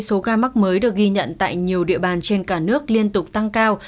số ca mắc mới được ghi nhận tại nhiều địa bàn trên cả nước liên tục tăng cao